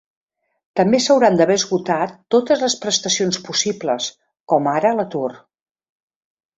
També s’hauran d’haver esgotat totes les prestacions possibles, coma ara l’atur.